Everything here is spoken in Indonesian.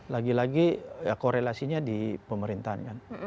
lagi lagi korelasinya di pemerintahan kan